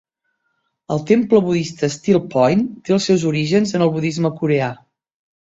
El temple budista Still Point té els seus orígens en el budisme coreà.